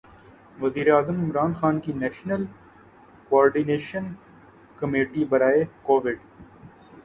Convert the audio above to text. وزیرِ اعظم عمران خان کی نیشنل کوارڈینیشن کمیٹی برائے کوویڈ